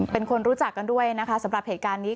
เป็นคนรู้จักกันด้วยนะคะสำหรับเหตุการณ์นี้